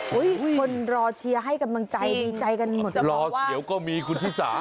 คนรอเชียร์ให้กำลังใจดีใจกันหมดรอเดี๋ยวก็มีคุณชิสา